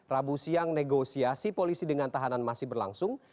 rabu siang negosiasi polisi dengan tahanan masih berlangsung